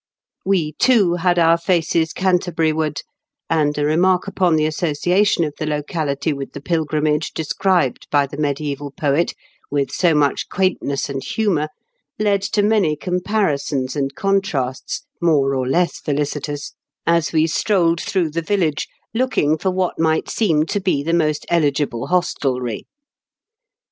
We, too, had our faces Canterbury ward, and a remark upon the association of the locality with the pilgrimage described by the mediaeval poet with so much quaintness and humour led to many comparisons and contrasts, more r or less felicitous, as we strolled through the TEE INNS AT BOUGHTON. 135 village, looking for what might seem to be the most eligible hostelry.